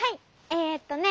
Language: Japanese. えっとね。